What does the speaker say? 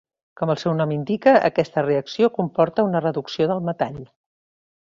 Com el seu nom indica, aquesta reacció comporta una reducció del metall.